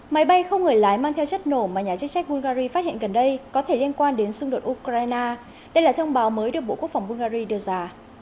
máy bay không người lái mang theo chất nổ mà nhà chức trách bulgari phát hiện gần đây có thể liên quan đến xung đột ukraine đây là thông báo mới được bộ quốc phòng bulgari đưa ra